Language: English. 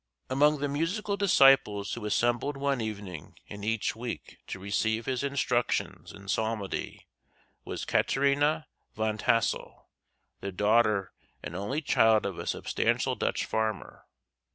Among the musical disciples who assembled one evening in each week to receive his instructions in psalmody was Katrina Van Tassel, the daughter and only child of a substantial Dutch farmer.